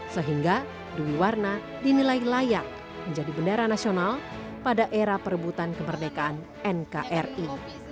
sehingga dwi warna dinilai layak menjadi bendera nasional pada era perebutan kemerdekaan nkri